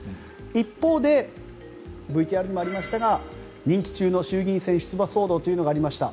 一方でＶＴＲにもありましたが任期中の衆議院選挙出馬要請というのがありました。